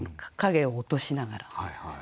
影を落としながら。